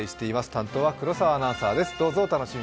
担当は黒沢アナウンサーです。